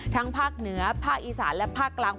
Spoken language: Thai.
ภาคเหนือภาคอีสานและภาคกลาง